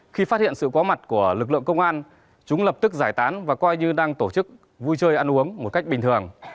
khi phát hiện sự có mặt của lực lượng công an chúng lập tức giải tán và coi như đang tổ chức vui chơi ăn uống một cách bình thường